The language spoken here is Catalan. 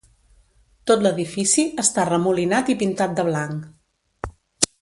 Tot l'edifici està remolinat i pintat de blanc.